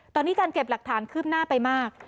ตอนนี้การเก็บหลักฐานคืบหน้าไปมาก